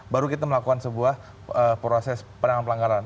baru kita melakukan sebuah proses penanganan pelanggaran